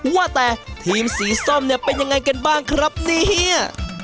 ว่าแต่ทีมสีส้มเนี่ยเป็นยังไงกันบ้างครับเนี่ย